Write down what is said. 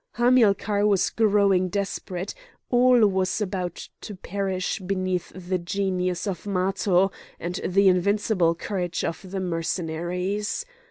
Hamilcar was growing desperate; all was about to perish beneath the genius of Matho and the invincible courage of the Mercenaries.